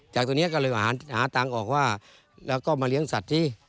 ตัวนี้ก็เลยหาตังค์ออกว่าแล้วก็มาเลี้ยงสัตว์สิ